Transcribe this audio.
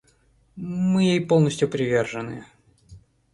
Мы ей полностью привержены.